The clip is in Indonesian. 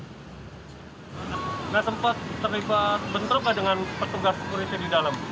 tidak sempat terlibat bentrok dengan petugas security di dalam